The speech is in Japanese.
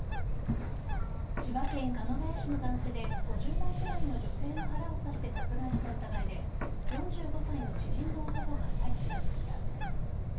千葉県鎌ケ谷市の団地で５０代くらいの女性の腹を刺して殺害した疑いで４５歳の知人の男が逮捕されました。